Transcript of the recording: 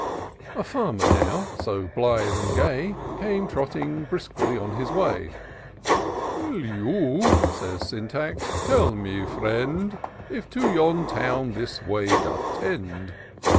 A farmer now, so blithe and gay, Came trotting briskly on his way. " Will you," says Sjoitax, " teU me friend, If to yon town this way doth tend